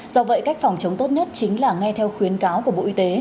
do vậy cách phòng chống tốt nhất chính là nghe theo khuyến cáo của bộ y tế